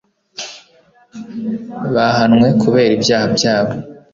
bahanwe kubera ibyaha byabo